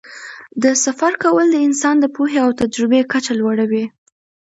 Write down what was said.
د سفر کول د انسان د پوهې او تجربې کچه لوړوي.